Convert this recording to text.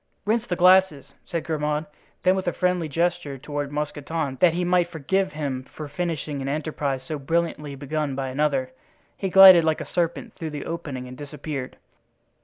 "Rinse the glasses," said Grimaud. Then with a friendly gesture toward Mousqueton, that he might forgive him for finishing an enterprise so brilliantly begun by another, he glided like a serpent through the opening and disappeared.